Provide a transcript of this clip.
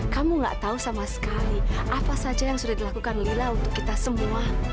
kamu gak tahu sama sekali apa saja yang sudah dilakukan lila untuk kita semua